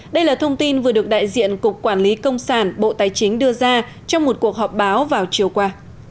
đây là thông tin vừa được đại diện cục quản lý công sản bộ tài chính đưa ra trong một cuộc họp báo vào chiều qua